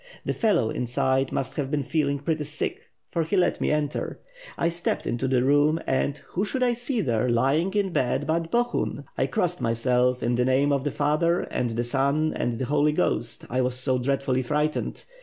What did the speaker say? The fellow inside must have been feeling pretty sick, for he let me enter. 1 stepped into the room and, who should 1 see there, lying in bed, but — Bohun! 1 crossed myself, in the name of the Father, and the Son, and the Holy Ghost; 1 was so dreadfully frightened.